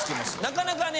なかなかね